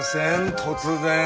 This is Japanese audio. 突然。